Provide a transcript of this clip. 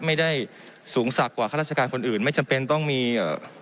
ไม่ได้สูงสักกว่าข้าราชการคนอื่นไม่จำเป็นต้องมีเอ่อ